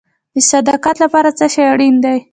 د صداقت لپاره څه شی اړین دی؟